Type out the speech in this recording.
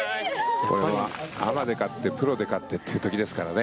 アマで勝ってプロで勝ってという時ですからね。